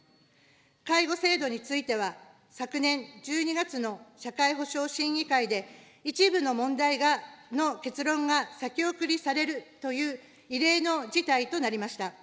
介護制度については昨年１２月の社会保障審議会で、一部の問題の結論が先送りされるという異例の事態となりました。